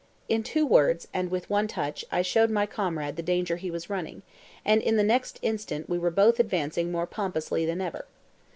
In two words, and with one touch, I showed my comrade the danger he was running, and in the next instant we were both advancing more pompously than ever.